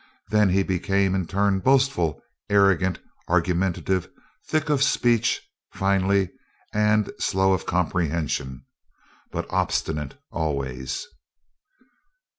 Then he became in turn boastful, arrogant, argumentative, thick of speech, finally, and slow of comprehension, but obstinate always.